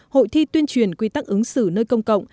hội thi tuyên truyền quy tắc ứng xử nơi công cộng